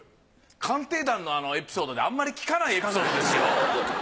「鑑定団」のエピソードであんまり聞かないエピソードですよ。